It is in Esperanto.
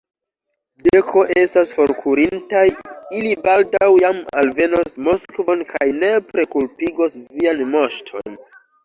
Deko estas forkurintaj, ili baldaŭ jam alvenos Moskvon kaj nepre kulpigos vian moŝton!